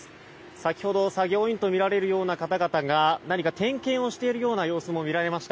先ほど作業員とみられるような方々が点検をしているような様子も見られました。